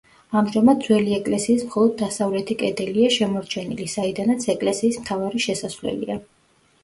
ამჟამად ძველი ეკლესიის მხოლოდ დასავლეთი კედელია შემორჩენილი, საიდანაც ეკლესიის მთავარი შესასვლელია.